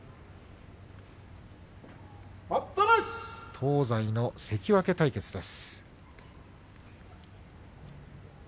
東西の関脇対決です。